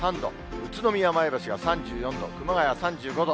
宇都宮、前橋が３４度、熊谷３５度。